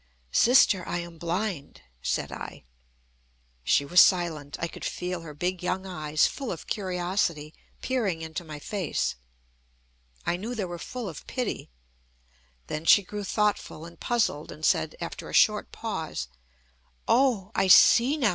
"Sister, I am blind," said I. She was silent. I could feel her big young eyes, full of curiosity, peering into my face. I knew they were full of pity. Then she grew thoughtful and puzzled, and said, after a short pause: "Oh! I see now.